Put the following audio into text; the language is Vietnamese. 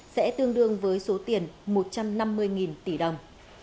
sẽ tương đương với số tiền một trăm năm mươi tỷ đồng